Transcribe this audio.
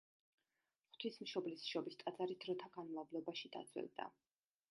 ღვთისმშობლის შობის ტაძარი დროთა განმავლობაში დაძველდა.